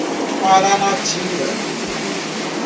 Paranatinga